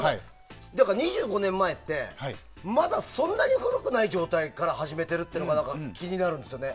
だから、２５年前ってまだそんなに古くない状態から始めてるっていうのが気になるんですよね。